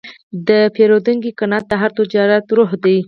د پیرودونکي قناعت د هر تجارت روح دی.